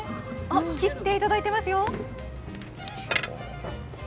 切っていただいてますよ。